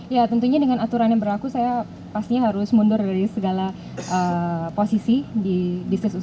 ya tentunya dengan aturan yang berlaku saya pasti harus mundur dari segala posisi di bisnis usaha